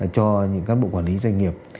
cho những các bộ quản lý doanh nghiệp